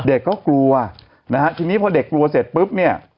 เด็กก็กลัวทีนี้พอเด็กกลัวเสร็จปุ๊บ